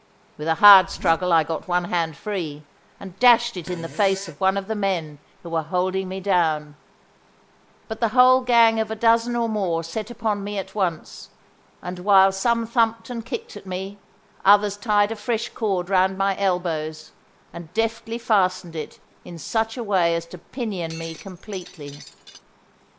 With a hard struggle I got one hand free, and dashed it in the face of one of the men who were holding me down; but the whole gang of a dozen or more set upon me at once, and while some thumped and kicked at me, others tied a fresh cord round my elbows, and deftly fastened it in such a way as to pinion me completely.